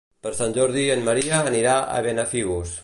Per Sant Jordi en Maria anirà a Benafigos.